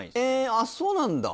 あっそうなんだ。